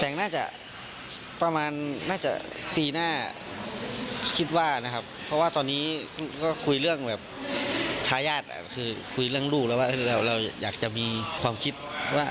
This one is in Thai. แต่งน่าจะประมาณน่าจะปีหน้าคิดว่านะครับเพราะว่าตอนนี้ก็คุยเรื่องแบบทายาทคือคุยเรื่องลูกแล้วว่าเราอยากจะมีความคิดว่า